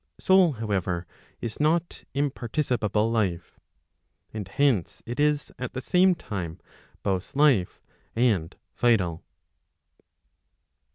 Soul however, is not imparticipable life. And hence it is at the same time both life and vital.